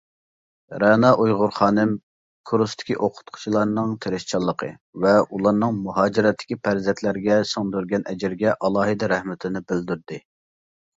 رەنا ئۇيغۇر خانىم كۇرستىكى ئوقۇتقۇچىلارنىڭ تىرىشچانلىقى ۋە ئۇلارنىڭ مۇھاجىرەتتىكى پەرزەنتلەرگە سىڭدۈرگەن ئەجرىگە ئالاھىدە رەھمىتىنى بىلدۈردى.